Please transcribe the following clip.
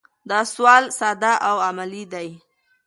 دا اصول ساده او عملي دي.